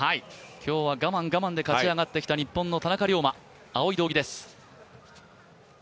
今日は我慢、我慢で勝ち上がってきた日本の田中龍馬、青い道着です。